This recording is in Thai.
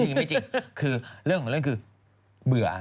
เรื่องของเรื่องคือเบื่อ